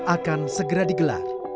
akan segera digelar